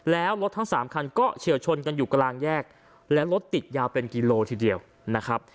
แล้วรถทั้งสามคันก็เฉียวชนกันอยู่กลางแยกและรถติดยาวเป็นกิโลทีเดียวนะครับ